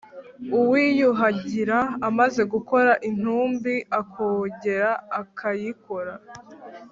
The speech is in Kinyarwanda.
Uwiyuhagira amaze gukora intumbi, akongera akayikora,